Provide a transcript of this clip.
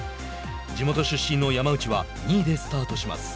地元出身の山内は２位でスタートします。